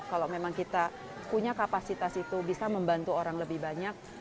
kalau memang kita punya kapasitas itu bisa membantu orang lebih banyak